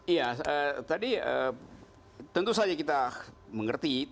iya tadi tentu saja kita mengerti